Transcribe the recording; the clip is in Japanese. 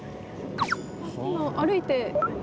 あっ今歩いて。